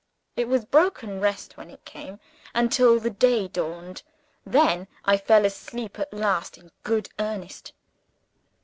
It was broken rest when it came, until the day dawned. Then I fell asleep at last in good earnest.